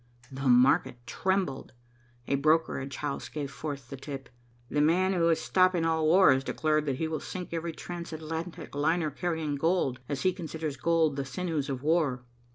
The market trembled. A brokerage house gave forth the tip. "The man who is stopping all war has declared that he will sink every transatlantic liner carrying gold, as he considers gold the sinews of war."